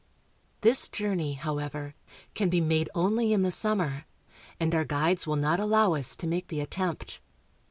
This journey, however, can be made only in the sum mer, and our guides will not allow us to make the attempt.